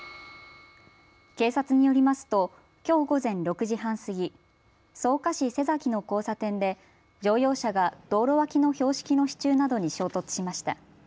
警察によりますときょう午前６時半過ぎ、草加市瀬崎の交差点で乗用車が道路脇の標識の支柱などに衝突しました。